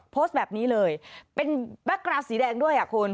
โพสต์แบบนี้เลยเป็นแบ็คกราสีแดงด้วยอ่ะคุณ